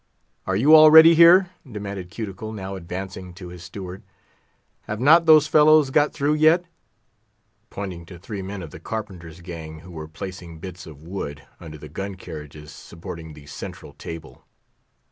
"Are you all ready here?" demanded Cuticle, now advancing to his steward; "have not those fellows got through yet?" pointing to three men of the carpenter's gang, who were placing bits of wood under the gun carriages supporting the central table.